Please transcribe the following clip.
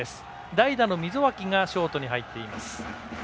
代打の溝脇がショートに入っています。